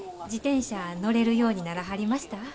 自転車乗れるようにならはりました？